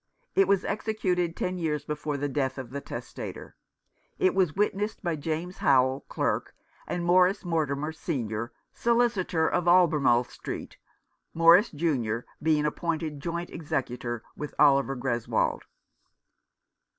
It was executed ten years before the death of the testator. It was witnessed by James Howell, clerk, and Morris Mortimer, Senior, solicitor, of Albemarle Street ; Morris, Junior, being appointed joint executor with Oliver Greswold.